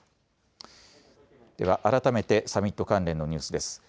では改めてサミット関連のニュースです。